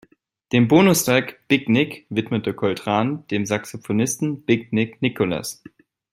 Den Bonus-Track „Big Nick“ widmete Coltrane dem Saxophonisten Big Nick Nicholas.